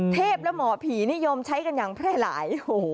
และหมอผีนิยมใช้กันอย่างแพร่หลาย